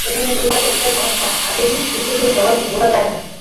এ ধরনের পরিচয়ের একটাই সমস্যা, আবেগী স্মৃতিগুলো সহজে ভোলা যায় না।